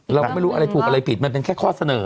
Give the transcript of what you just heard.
เราก็ไม่รู้อะไรถูกอะไรผิดมันเป็นแค่ข้อเสนอ